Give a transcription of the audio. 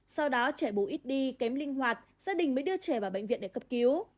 sau đó trẻ bồ ít đi kém linh hoạt gia đình mới đưa trẻ vào bệnh viện để cấp cứu